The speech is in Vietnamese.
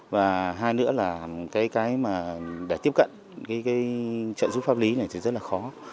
và hai nữa là cái mà để tiếp cận cái trợ giúp pháp lý này thì rất là khó